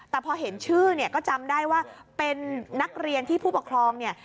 แต่พอเห็นชื่อเนี่ยก็จำได้ว่าเป็นนักเรียนที่ผู้ปกครองเนี่ย